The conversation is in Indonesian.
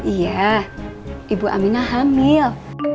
iya ibu aminah hamil